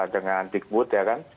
dengan digbud ya kan